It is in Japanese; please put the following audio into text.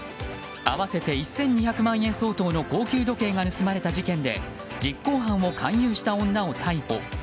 合わせて１２００万円相当の高級時計が盗まれた事件で実行犯を勧誘した女を逮捕。